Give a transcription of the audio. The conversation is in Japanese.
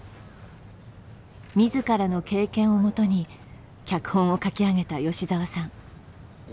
みずからの経験をもとに脚本を書き上げた吉澤さん。